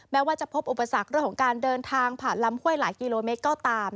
ว่าจะพบอุปสรรคเรื่องของการเดินทางผ่านลำห้วยหลายกิโลเมตรก็ตาม